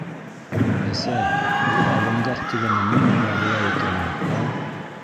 Әсәй, ул авангард тигәне ни нәмә була икән ул, ә?